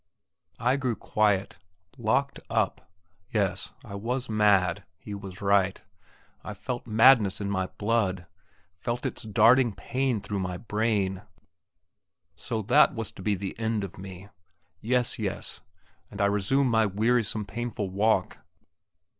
I grew quiet. Locked up? Yes, I was mad; he was right. I felt madness in my blood; felt its darting pain through my brain. So that was to be the end of me! Yes, yes; and I resume my wearisome, painful walk.